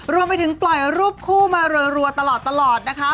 รวมไปถึงปล่อยรูปคู่มารัวตลอดนะคะ